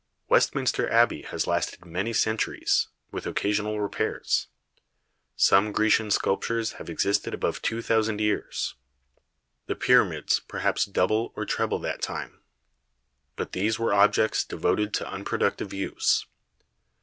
Westminster Abbey has lasted many centuries, with occasional repairs; some Grecian sculptures have existed above two thousand years; the Pyramids perhaps double or treble that time. But these were objects devoted to unproductive use.